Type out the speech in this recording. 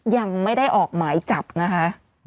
ยังไม่ได้ออกหมายจับนะคะ